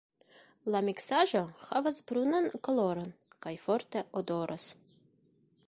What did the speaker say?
La miksaĵo havas brunan koloron kaj forte odoras.